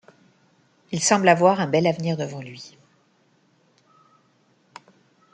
Il semble avoir un bel avenir devant lui.